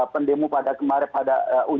pendemo pada kemarin pada